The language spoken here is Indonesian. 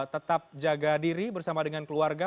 tetap jaga diri bersama dengan keluarga